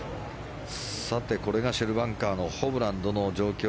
これがシェルバンカーのホブランの状況。